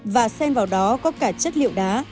và sen vào đó có cả chất liệu đá